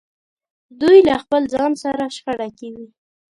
دوی له خپل ځان سره شخړه کې وي.